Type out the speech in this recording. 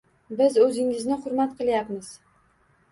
Biz o'zingizni hurmat qilyapmiz.